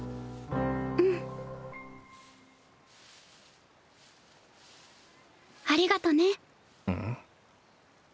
うんありがとねうん？